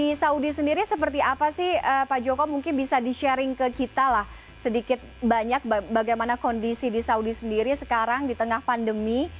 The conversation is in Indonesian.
di saudi sendiri seperti apa sih pak joko mungkin bisa di sharing ke kita lah sedikit banyak bagaimana kondisi di saudi sendiri sekarang di tengah pandemi